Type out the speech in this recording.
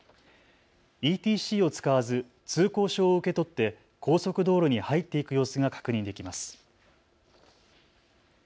ＥＴＣを使わず通行証を受け取って高速道路に入っていく様子が確認できます。